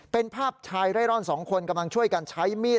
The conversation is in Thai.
เป็นภาพชายเร่ร่อนสองคนกำลังช่วยกันใช้มีด